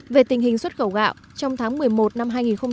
về tình hình xuất khẩu gạo trong tháng một mươi một năm hai nghìn một mươi bảy